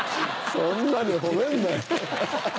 そんなに褒めるなよ。